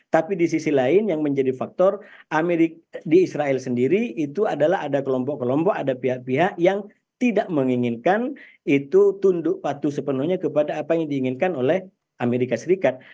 tapi di sisi lain yang menjadi faktor di israel sendiri itu adalah ada kelompok kelompok ada pihak pihak yang tidak menginginkan itu tunduk patuh sepenuhnya kepada apa yang diinginkan oleh amerika serikat